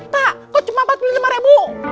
pak kok cuma rp empat puluh lima